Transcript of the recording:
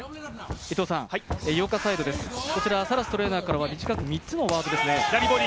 井岡サイドです、サラストレーナーからは短く３つのワードです。